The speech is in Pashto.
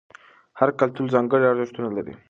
هر کلتور ځانګړي ارزښتونه لري.